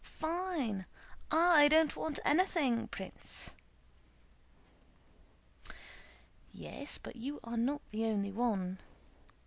Fine! I don't want anything, Prince." "Yes, but you are not the only one.